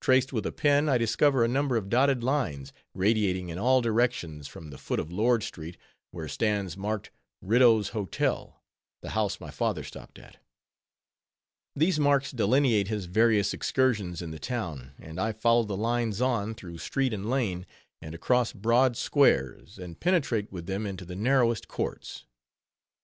Traced with a pen, I discover a number of dotted lines, radiating in all directions from the foot of Lord street, where stands marked "Riddough's Hotel," the house my father stopped at. These marks delineate his various excursions in the town; and I follow the lines on, through street and lane; and across broad squares; and penetrate with them into the narrowest courts.